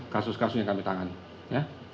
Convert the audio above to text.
kasus kasus yang kami tangani ya